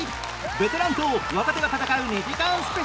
ベテランと若手が戦う２時間スペシャル